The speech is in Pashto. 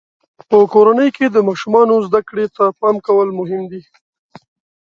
په کورنۍ کې د ماشومانو زده کړې ته پام کول مهم دي.